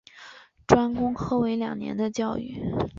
专攻科为两年的教育。